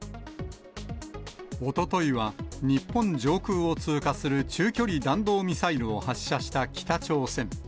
おとといは日本上空を通過する中距離弾道ミサイルを発射した北朝鮮。